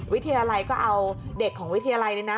วิทยาลัยก็เอาเด็กของวิทยาลัยเนี่ยนะ